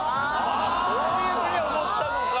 そういうふうに思ったのか。